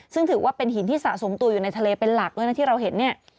ซึ่งถือว่าเป็นหินที่สะสมตัวอยู่ในทะเลเป็นหลักด้วยนะที่เราเห็นเนี่ย